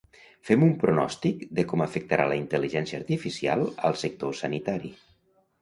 fem un pronòstic de com afectarà la intel·ligència artificial al sector sanitari